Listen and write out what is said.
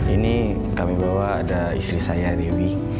ini kami bawa ada istri saya dewi